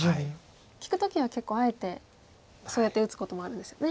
利く時は結構あえてそうやって打つこともあるんですよね。